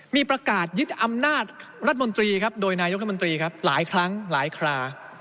มีประกาศยึดอำนาจรัฐมนตรีครับโดยนายกรัฐมนตรีครับหลายครั้งหลายครา